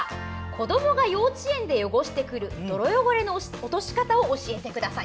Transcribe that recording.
子どもが幼稚園で汚してくる泥汚れの落とし方を教えてください。